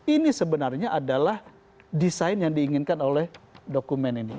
ini sebenarnya adalah desain yang diinginkan oleh dokumen ini